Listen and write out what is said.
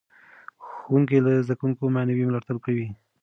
ښوونکي له زده کوونکو معنوي ملاتړ کوي.